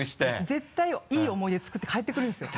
絶対いい思い出作って帰ってくるんですよ。